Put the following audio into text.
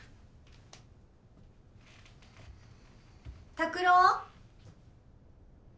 ・拓郎！